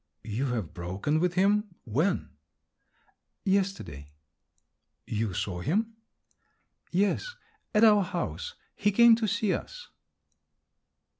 "You have broken with him? when?" "Yesterday." "You saw him?" "Yes. At our house. He came to see us."